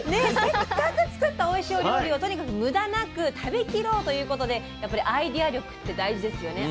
せっかく作ったおいしいお料理をとにかく無駄なく食べきろうということでやっぱりアイデア力って大事ですよね。